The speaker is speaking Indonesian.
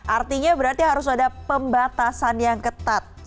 artinya berarti harus ada pembatasan yang ketat